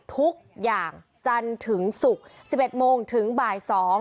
ทุกอย่างจันทร์ถึงศุกร์๑๑โมงถึงบ่าย๒